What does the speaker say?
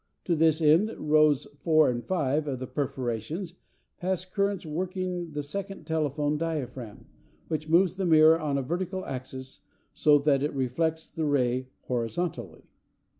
To this end rows 4 and 5 of the perforations pass currents working the second telephone diaphragm, which moves the mirror on a vertical axis so that it reflects the ray horizontally.